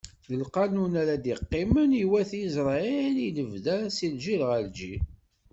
D lqanun ara d-iqqimen i wat Isṛayil, i lebda, si lǧil ɣer lǧil.